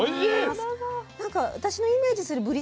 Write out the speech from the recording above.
なんか私のイメージするぶり